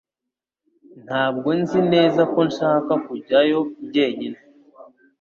Ntabwo nzi neza ko nshaka kujyayo jyenyine